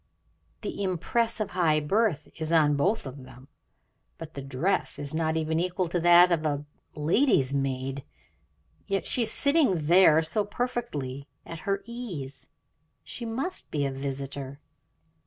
The impress of high birth is on both of them, but the dress is not even equal to that of a lady's maid, yet she is sitting there so perfectly at her ease, she must be a visitor.